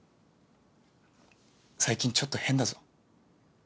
最近ちょっと変だぞ。